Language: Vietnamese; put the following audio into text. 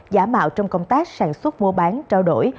giả mạo trong công tác sản xuất mua bán trao đổi